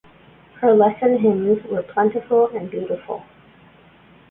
Her lesson hymns were plentiful and beautiful.